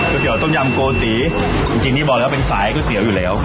เตี๋ยต้มยำโกตีจริงนี่บอกแล้วเป็นสายก๋วยเตี๋ยวอยู่แล้ว